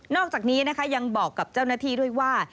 อกจากนี้นะคะยังบอกกับเจ้าหน้าที่ด้วยว่า